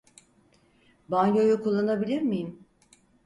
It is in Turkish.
Banyoyu kullanabilir miyim?